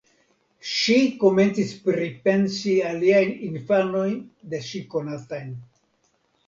Ŝi komencis pripensi aliajn infanojn de ŝi konatajn.